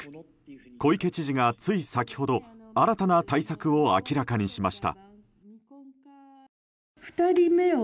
小池知事がつい先ほど新たな対策を明らかにしました。